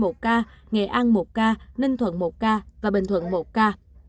lào cai một ca nghệ an một ca ninh thuận một ca bình thuận một ca